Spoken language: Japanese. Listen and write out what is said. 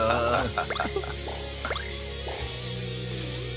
ハハハハ。